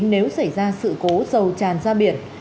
nếu xảy ra sự cố dầu tràn ra biển